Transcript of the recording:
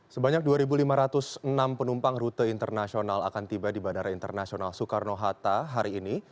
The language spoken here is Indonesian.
sebanyak dua lima ratus enam penumpang rute internasional akan tiba di bandara internasional soekarno hatta hari ini